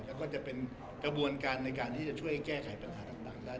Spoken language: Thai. แล้วก็จะเป็นกระบวนการในการที่จะช่วยแก้ไขปัญหาต่างได้